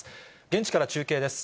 現地から中継です。